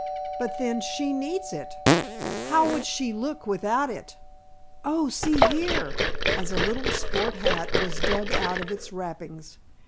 "But then, she needs it. How would she look without it? Oh, see here!" as a little sport hat was dug out of its wrappings.